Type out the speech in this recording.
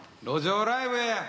路上ライブや。